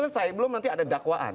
bung saya belum nanti ada dakwaan